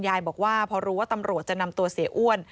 ยายบอกว่าพอรู้ว่าตำรวจจะนำตัวเสียอ้วน